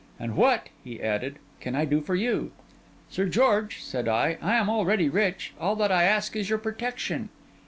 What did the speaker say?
And what,' he added, 'can I do for you?' 'Sir George,' said I, 'I am already rich: all that I ask is your protection.